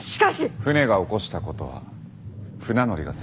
船が起こしたことは船乗りが責任を取る。